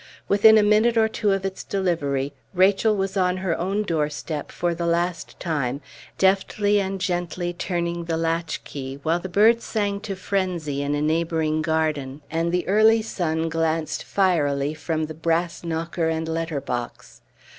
Within a minute or two of its delivery, Rachel was on her own doorstep for the last time, deftly and gently turning the latchkey, while the birds sang to frenzy in a neighboring garden, and the early sun glanced fierily from the brass knocker and letter box.